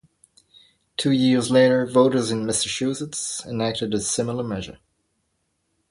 Two years later, voters in Massachusetts enacted a similar measure.